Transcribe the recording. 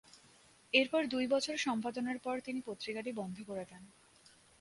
এরপর দুই বছর সম্পাদনার পর তিনি পত্রিকাটি বন্ধ করে দেন।